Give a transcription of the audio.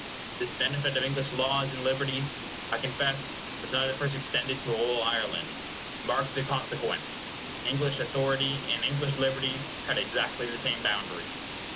This benefit of English laws and liberties, I confess, was not at first extended to all Ireland. Mark the consequence. English authority and English liberties had exactly the same boundaries.